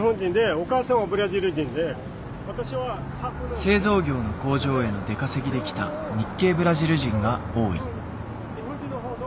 製造業の工場への出稼ぎで来た日系ブラジル人が多い。